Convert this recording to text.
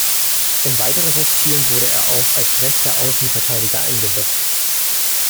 In weiteren Testspielen wurde er auch als rechter Außenverteidiger eingesetzt.